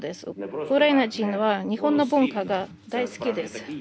ウクライナ人は日本の文化が大好きです。